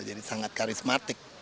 jadi sangat karismatik